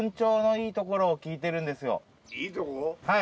はい。